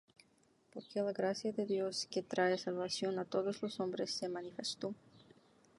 Porque la gracia de Dios que trae salvación á todos los hombres, se manifestó.